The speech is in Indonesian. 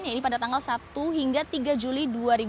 yaitu pada tanggal satu hingga tiga juli dua ribu dua puluh